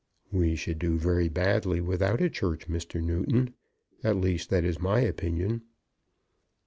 "We should do very badly without a Church, Mr. Newton. At least that is my opinion."